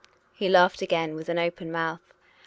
" He laughed again with open mouth.